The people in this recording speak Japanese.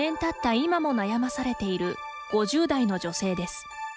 今も悩まされている５０代の女性です。